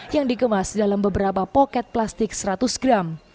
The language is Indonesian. yang dikemas dalam beberapa poket plastik seratus gram